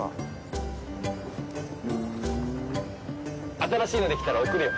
新しいのできたら送るよ。